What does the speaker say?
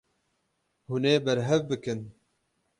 Hûn ê berhev bikin.